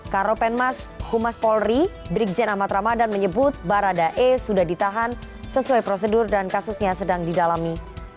karopenmas humas polri brigjen amat ramadan menyebut baradae sudah ditahan sesuai prosedur dan kasusnya sedang didalami